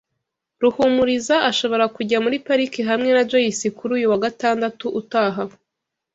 Ruhumuriza ashobora kujya muri pariki hamwe na Joyce kuri uyu wa gatandatu utaha.